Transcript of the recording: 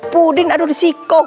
pudin aduh disikok